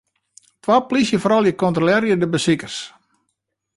Twa plysjefroulju kontrolearje de besikers.